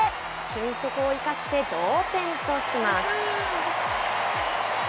俊足を生かして同点とします。